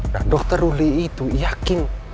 nah dokter ruli itu yakin